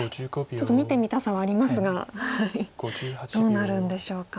ちょっと見てみたさはありますがどうなるんでしょうか。